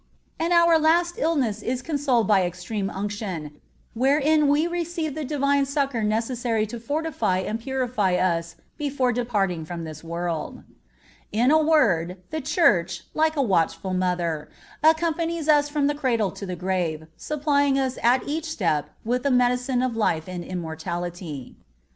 And our last illness is consoled by Extreme Unction, wherein we receive the Divine succor necessary to fortify and purify us before departing from this world. In a word, the Church, like a watchful mother, accompanies us from the cradle to the grave, supplying us at each step with the medicine of life and immortality.